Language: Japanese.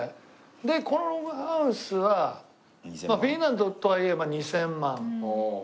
でこのログハウスはまあフィンランドとはいえ２０００万ぐらいから。